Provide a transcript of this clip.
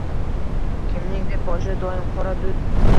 Kimningdir boshida doim qora dud